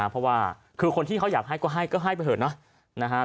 เพราะว่าคือคนที่เขาอยากให้ก็ให้ก็ให้ไปเถอะเนาะ